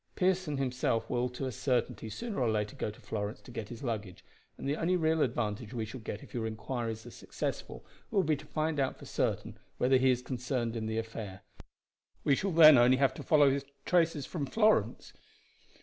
Pearson himself will, to a certainty, sooner or later, go to Florence to get his luggage, and the only real advantage we shall get if your inquiries are successful will be to find out for certain whether he is concerned in the affair. We shall then only have to follow his traces from Florence."